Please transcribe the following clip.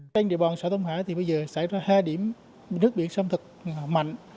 trên địa bàn xã tâm hải thì bây giờ xảy ra hai điểm nước biển xâm thực mạnh